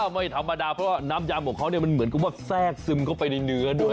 ไม่ธรรมดาเพราะว่าน้ำยำของเขามันเหมือนกับว่าแทรกซึมเข้าไปในเนื้อด้วย